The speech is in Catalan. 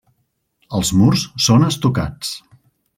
Els murs són estucats.